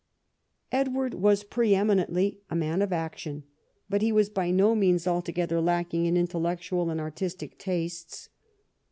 Edward was pre eminently a man of action, but he was by no means altogether lacking in intellectual and artistic tastes.